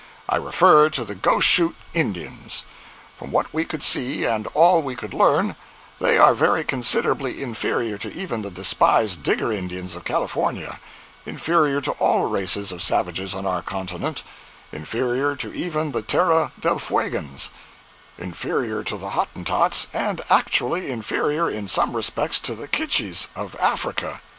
I refer to the Goshoot Indians. From what we could see and all we could learn, they are very considerably inferior to even the despised Digger Indians of California; inferior to all races of savages on our continent; inferior to even the Terra del Fuegans; inferior to the Hottentots, and actually inferior in some respects to the Kytches of Africa.